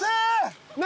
何？